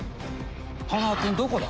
花輪君どこだ？